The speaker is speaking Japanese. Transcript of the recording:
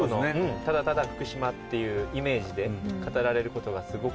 ただただ福島っていうイメージで語られることがすごくあのまあ